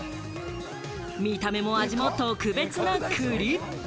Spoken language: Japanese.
見た目も味も特別な栗。